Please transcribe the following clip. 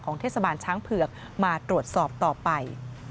เทศบาลช้างเผือกมาตรวจสอบต่อไป